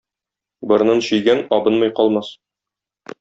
Борынын чөйгән абынмый калмас.